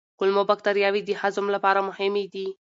کولمو بکتریاوې د هضم لپاره مهمې دي.